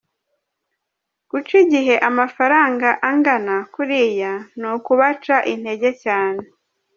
Guca igihe amafaranga angana kuriya ni ukubaca intege cyane”.